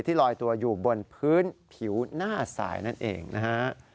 ลอยตัวอยู่บนพื้นผิวหน้าสายนั่นเองนะฮะ